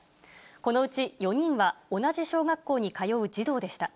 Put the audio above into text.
このうち４人は同じ小学校に通う児童でした。